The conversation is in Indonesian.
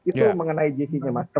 itu mengenai jc nya mas